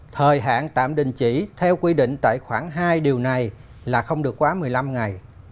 thời hạn tạm đình chỉ theo quy định tại khoảng hai điều này là không được quá một mươi năm ngày